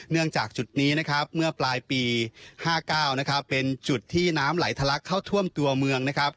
เนื่องจากจุดนี้เมื่อปลายปี๕๙เป็นจุดที่น้ำไหลทะลักเข้าท่วมตัวเมือง